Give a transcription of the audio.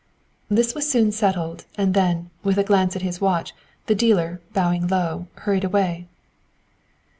This was soon settled, and then, with a glance at his watch, the dealer, bowing low, hurried away.